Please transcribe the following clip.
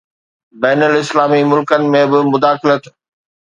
ٻين اسلامي ملڪن ۾ به مداخلت